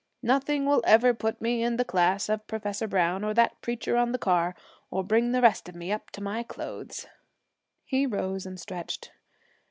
Nothing will ever put me in the class of Professor Browne or that preacher on the car, or bring the rest of me up to my clothes.' He rose and stretched.